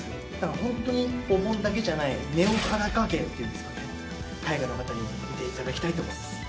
本当にお盆だけじゃない、ネオ裸芸っていうんですかね、海外の方に見ていただきたいと思います。